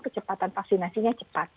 kecepatan vaksinasinya cepat